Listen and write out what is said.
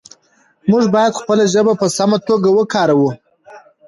موږ باید خپله ژبه په سمه توګه وکاروو